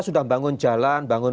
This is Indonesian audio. sudah membangun jalan